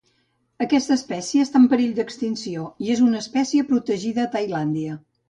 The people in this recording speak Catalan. Aquesta espècie està en perill extinció i és una espècie protegida a Tailàndia